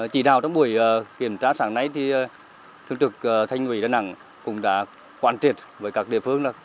chỉ đào trong buổi kiểm tra sáng nay thì thương trực thanh quỳ đà nẵng cũng đã quan triệt với các địa phương là